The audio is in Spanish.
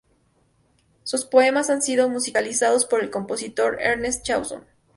Sus poemas han sido musicalizados por el compositor Ernest Chausson.